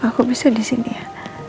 aku bisa disini ya